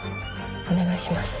お願いします。